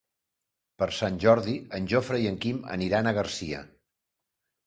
Per Sant Jordi en Jofre i en Quim aniran a Garcia.